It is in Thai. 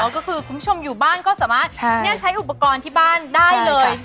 ก็คือคุณผู้ชมอยู่บ้านก็สามารถใช้อุปกรณ์ที่บ้านได้เลย